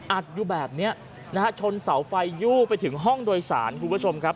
อัดอยู่แบบเนี้ยนะฮะชนเสาไฟยู่ไปถึงห้องโดยสารคุณผู้ชมครับ